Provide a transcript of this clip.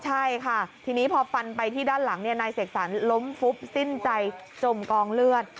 ใช่ค่ะทีนี้พอฟันไปที่ด้านหลังนายเสกสรรล้มฟุบสิ้นใจจมกองเลือด